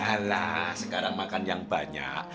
alah sekarang makan yang banyak